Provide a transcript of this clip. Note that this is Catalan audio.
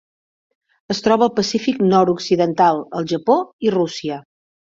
Es troba al Pacífic nord-occidental: el Japó i Rússia.